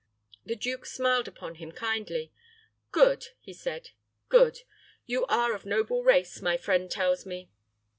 The duke smiled upon him kindly. "Good," he said; "good. You are of noble race, my friend tells me."